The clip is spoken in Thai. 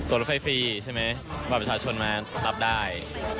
มีตัวรถไฟฟรีใช่มั้ยประมาณประชาชนมารับได้